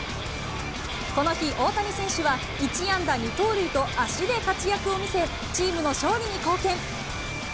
この日、大谷選手は１安打２盗塁と足で活躍を見せ、チームの勝利に貢献。